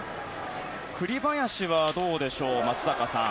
栗林はどうでしょう、松坂さん。